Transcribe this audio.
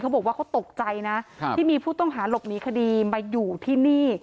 บอกว่าเขาตกใจนะที่มีผู้ต้องหาหลบหนีคดีมาอยู่ที่นี่